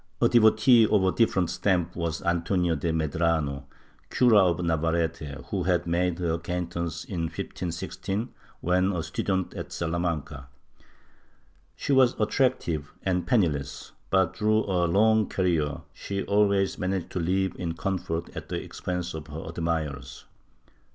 A devotee of a different stamp was Antonio de Medrano, cura of Navarrete, who had made her acquaintance in 1516 when a student at Salamanca. She was attractive and penni less but, through a long career, she always managed to Uve in comfort at the expense of her admirers.